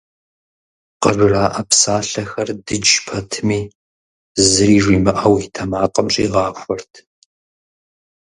Къыжраӏэ псалъэхэр дыдж пэтми, зыри жимыӏэу, и тэмакъым щӏигъахуэрт.